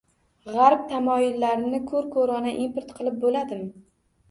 G‘arb tamoyillarini ko‘r-ko‘rona import qilib bo‘ladimi?